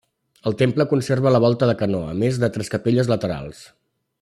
El temple conserva la volta de canó, a més de tres capelles laterals.